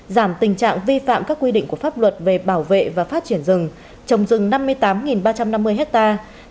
giảm tình trạng vi phạm các quy định của pháp luật về bảo vệ và phát triển rừng trồng rừng năm mươi tám ba trăm năm mươi hectare